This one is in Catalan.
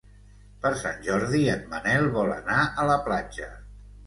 Per Sant Jordi en Manel vol anar a la platja.